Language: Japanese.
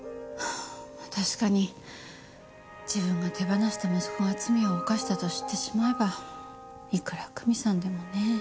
確かに自分が手放した息子が罪を犯したと知ってしまえばいくら久美さんでもねえ。